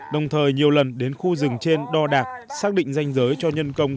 đồng thời nhiều lần đến khu rừng trên đo đạc xác định danh giới cho nhân công